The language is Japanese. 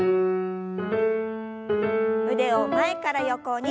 腕を前から横に。